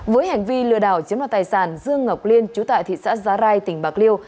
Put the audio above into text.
với hành vi lừa đảo chiếm đoạt tài sản dương ngọc liên chú tại thị xã giá rai tỉnh bạc liêu